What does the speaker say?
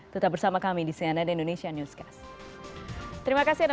tetap bersama kami di cnn indonesia newscast